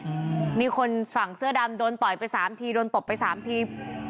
อืมนี่คนฝั่งเสื้อดำโดนต่อยไปสามทีโดนตบไปสามที